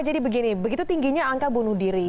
jadi begini begitu tingginya angka bunuh diri